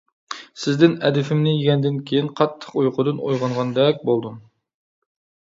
سىزدىن ئەدىپىمنى يېگەندىن كېيىن قاتتىق ئۇيقۇدىن ئويغانغاندەك بولدۇم.